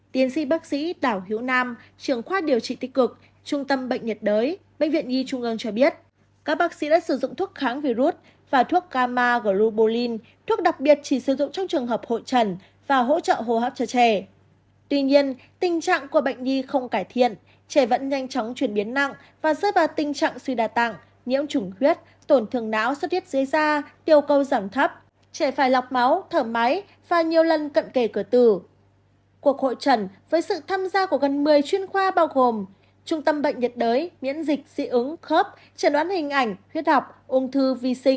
tiến sĩ bác sĩ đảo hiếu nam trường khoa điều trị tích cực trung tâm bệnh nhiệt đới bệnh viện nhi trung ương cho biết các bác sĩ đã sử dụng thuốc kháng virus và thuốc gamma globulin thuốc đặc biệt chỉ sử dụng trong trường hợp hội trần và hỗ trợ hô hấp cho trẻ